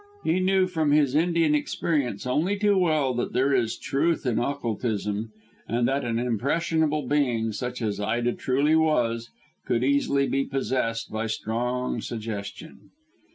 He knew from his Indian experience only too well that there is truth in occultism, and that an impressionable being such as Ida truly was could easily be obsessed by strong suggestion.